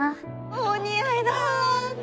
お似合いだよ